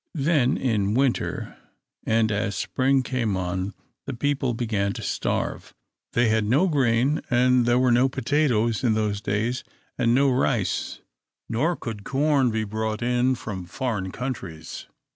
Then in winter, and as spring came on, the people began to starve. They had no grain, and there were no potatoes in those days, and no rice; nor could corn be brought in from foreign countries.